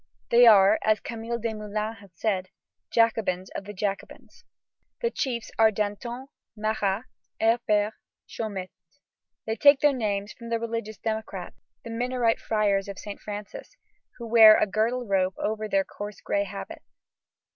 They are, as Camille Desmoulins has said, Jacobins of the Jacobins. The chiefs are Danton, Marat, Hébert, Chaumette. They take their names from those religious democrats, the Minorite friars of Saint Francis, who wear a girdle of rope over their coarse gray habit.